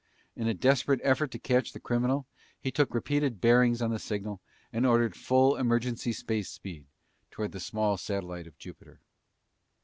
In a desperate effort to catch the criminal, he took repeated bearings on the signal and ordered full emergency space speed toward the small satellite of Jupiter.